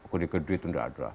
kudik kedik itu nggak ada